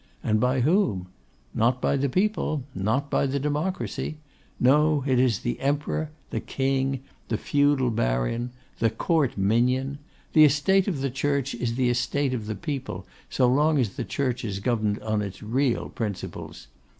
And by whom? Not by the people; not by the democracy. No; it is the emperor, the king, the feudal baron, the court minion. The estate of the Church is the estate of the people, so long as the Church is governed on its real principles.